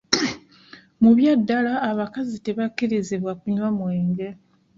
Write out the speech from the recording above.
Mu bya ddala abakazi tebakirizibwa kunywa mwenge.